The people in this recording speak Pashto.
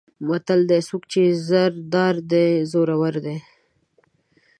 متل دی: څوک چې زر دار دی زورور دی.